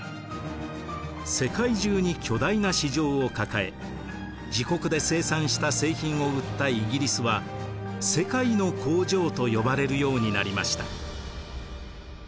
世界中に巨大な市場を抱え自国で生産した製品を売ったイギリスは世界の工場と呼ばれるようになりました。